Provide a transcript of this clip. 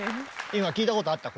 今聞いたことあった？